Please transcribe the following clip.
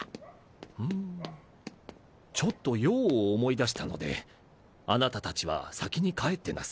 んちょっと用を思い出したのであなたたちは先に帰ってなさい。